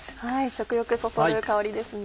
食欲そそる香りですね。